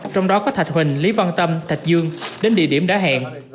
trong đó có thạch huỳnh lý văn tâm thạch dương đến địa điểm đã hẹn